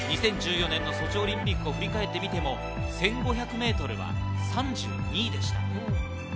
２０１４年のソチオリンピックを振り返ってみても１５００ｍは３２位でした。